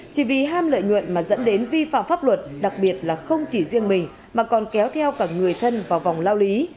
chỉ vì ham lợi nhuận mà dẫn đến vi phạm pháp luật đặc biệt là không chỉ riêng mình mà còn kéo theo cả người thân vào vòng lao lý